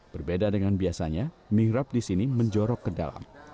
berbeda dengan biasanya mihrab di sini menjorok ke dalam